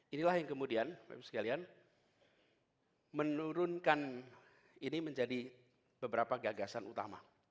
inilah yang kemudian bapak ibu sekalian menurunkan ini menjadi beberapa gagasan utama